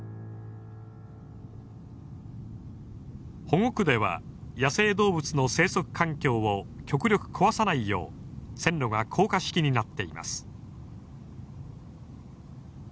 保護区では野生動物の生息環境を極力壊さないよう線路が高架式になっています。